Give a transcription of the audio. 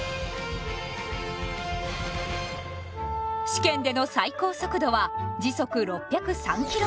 試験での最高速度は時速６０３ｋｍ。